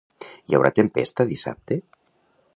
Hi haurà tempesta dissabte?